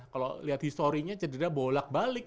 kalau lihat historinya cedera bolak balik